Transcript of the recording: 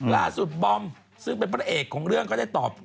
บอมซึ่งเป็นพระเอกของเรื่องก็ได้ตอบ